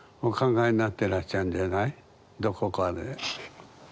どこかで。